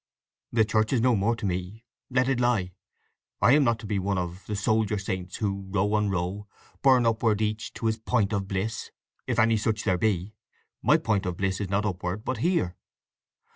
"The Church is no more to me. Let it lie! I am not to be one of The soldier saints who, row on row, Burn upward each to his point of bliss, if any such there be! My point of bliss is not upward, but here."